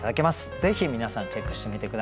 ぜひ皆さんチェックしてみて下さい。